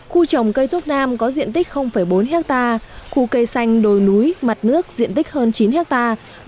khu trồng cây thuốc nam có diện tích bốn hectare khu cây xanh đồi núi mặt nước diện tích hơn chín hectare